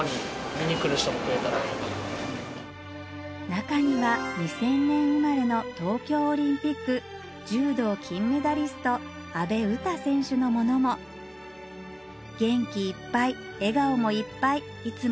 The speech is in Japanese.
中には２０００年生まれの東京オリンピック柔道金メダリスト阿部詩選手のものももう。